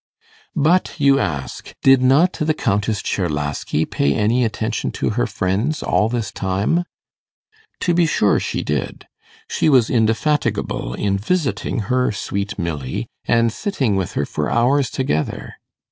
But, you ask, did not the Countess Czerlaski pay any attention to her friends all this time? To be sure she did. She was indefatigable in visiting her 'sweet Milly', and sitting with her for hours together.